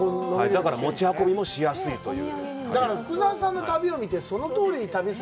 だから、持ち運びもしやすいという。